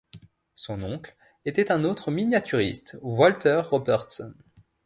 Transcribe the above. Son oncle était un autre miniaturiste, Walter Robertson.